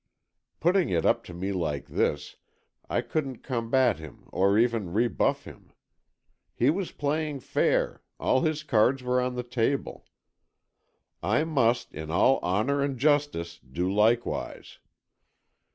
Putting it up to me like this, I couldn't combat him or even rebuff him. He was playing fair, all his cards on the table. I must in all honour and justice do likewise.